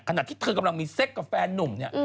ขณะที่เธอกำลังมีเซ็กกับแฟนนุ่มเนี่ย